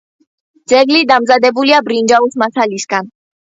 ძეგლი დამზადებულია ბრინჯაოს მასალისაგან.